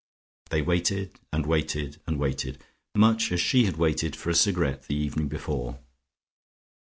They waited, and waited and waited, much as she had waited for a cigarette the evening before.